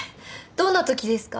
どんなときですか？